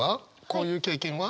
こういう経験は？